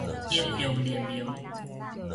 英雄聯盟